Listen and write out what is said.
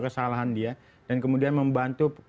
kesalahan dia dan kemudian membantu